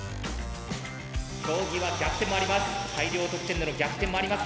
競技は逆転もあります。